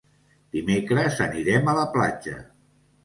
Dimecres anirem a la platja.